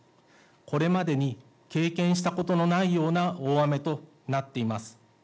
これまでに経験したことのないような大雨となっています。